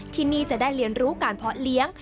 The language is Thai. ที่นี่จะได้เรียนรู้การเพาะเลี้ยง